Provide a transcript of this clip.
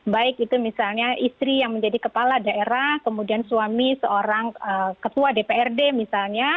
baik itu misalnya istri yang menjadi kepala daerah kemudian suami seorang ketua dprd misalnya